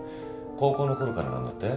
高校のころからなんだって？